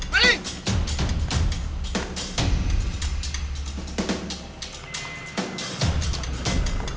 malin jangan lupa